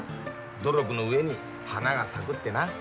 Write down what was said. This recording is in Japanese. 努力の上に花が咲くってな。